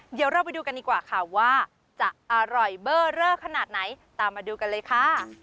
เดี๋ยวเราไปดูกันดีกว่าค่ะว่าจะอร่อยเบอร์เรอขนาดไหนตามมาดูกันเลยค่ะ